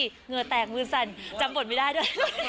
เหงื่อแตกมือสั่นจำบทไม่ได้ด้วย